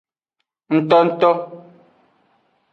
Ngtongto.